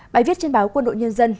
bài viết trên báo quân đội nhân dân